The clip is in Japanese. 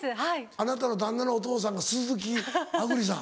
あなたの旦那のお父さんが鈴木亜久里さん？